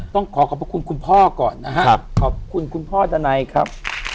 ต้องขอขอบพระคุณคุณพ่อก่อนนะครับขอบคุณคุณพ่อดันัยครับ